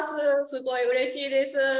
すごいうれしいです。